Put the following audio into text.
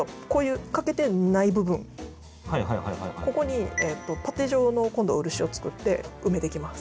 今度こういうここにパテ状の今度漆を作って埋めていきます。